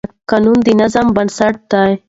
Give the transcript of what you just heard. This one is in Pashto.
قانون د نظم بنسټ دی.